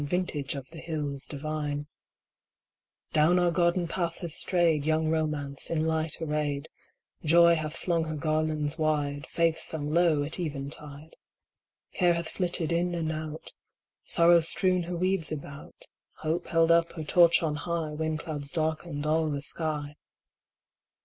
Vintage of the hills divine. 37^ THE GUEST Down our garden path has strayed Young Romance, in light arrayed ; Joy hath flung her garlands wide ; Faith sung low at eventide ; Care hath flitted in and out ; Sorrow strewn her weeds about ; Hope held up her torch on high When clouds darkened all the sky.